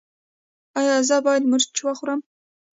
ایا زه باید مرچ وخورم؟